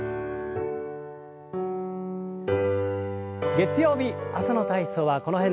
月曜日朝の体操はこの辺で。